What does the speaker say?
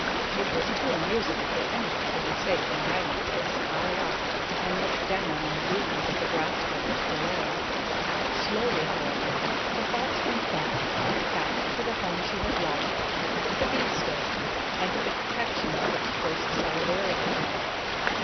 It was too amusing for anything to be safe in a hiding place, high up, and look down on the doings of the grass dwellers below. Slowly, however, her thoughts went back back to the home she had left, to the bee state, and to the protection of its close solidarity.